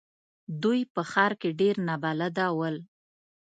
دوی په ښار کې ډېر نابلده ول.